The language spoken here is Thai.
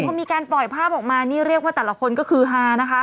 พอมีการปล่อยภาพออกมานี่เรียกว่าแต่ละคนก็คือฮานะคะ